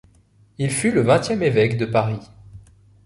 Il fut le vingtième évêque de Paris.